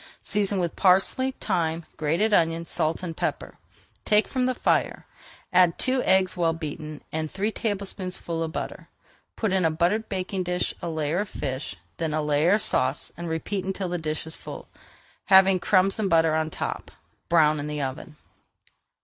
Season with parsley, thyme, grated onion, salt, and pepper, take from the fire, add two eggs well beaten, and three tablespoonfuls of butter. Put in a buttered baking dish a layer of fish, then a layer of sauce, and repeat until the dish is full, having crumbs and butter on top. Brown in the oven.